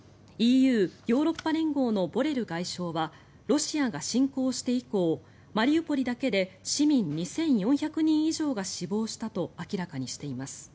ＥＵ・ヨーロッパ連合のボレル外相はロシアが侵攻して以降マリウポリだけで市民２４００人以上が死亡したと明らかにしています。